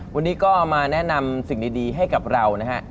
วันนี้ก็มาแนะนำสิ่งดีให้กับเรานะฮะ